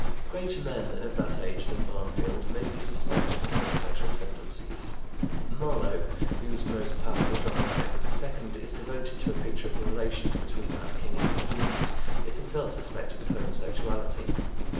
Greater men of that age than Barnfield may be suspected of homosexual tendencies. Marlowe, whose most powerful drama, Edward II, is devoted to a picture of the relations between that king and his minions, is himself suspected of homosexuality.